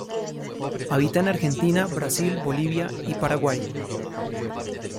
Habita en Argentina, Brasil, Bolivia y Paraguay.